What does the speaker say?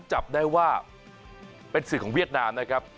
จับได้ว่าเป็นสื่อของเวียดนามนะครับ